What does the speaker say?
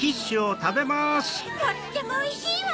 とってもおいしいわ！